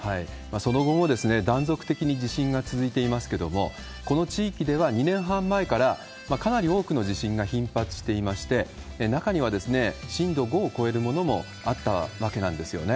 その後も断続的に地震が続いていますけれども、この地域では２年半前から、かなり多くの地震が頻発していまして、中には震度５を超えるものもあったわけなんですよね。